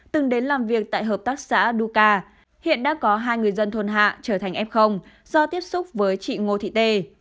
từng đến làm việc tại hợp tác xã duca hiện đã có hai người dân thôn hạ trở thành f do tiếp xúc với chị ngô thị tê